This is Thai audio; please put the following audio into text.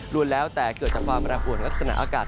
รวมแล้วแต่เกิดจากความแปรปวดลักษณะอากาศ